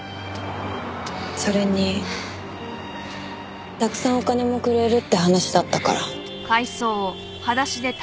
それにたくさんお金もくれるって話だったから。